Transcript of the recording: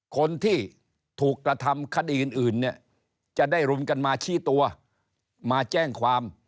คนที่ถูกกระทำคดีอื่นเนี่ยจะได้รุมกันมาชี้ตัวมาแจ้งความ